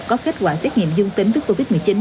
có kết quả xét nghiệm dương tính với covid một mươi chín